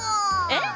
えっ？